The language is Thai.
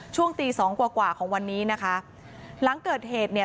ช่วงตีสองกว่ากว่าของวันนี้นะคะหลังเกิดเหตุเนี่ย